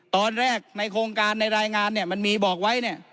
ตอนแรกในโครงการในรายงานเนี่ยมันมีบอกไว้เนี่ย